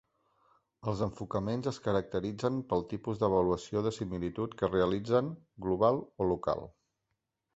Els enfocaments es caracteritzen pel tipus d'avaluació de similitud que realitzen: global o local.